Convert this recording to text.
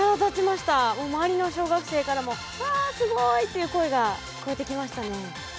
まわりの小学生からも「わあすごい」っていう声が聞こえてきましたね。